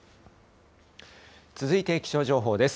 続いて気象情報です。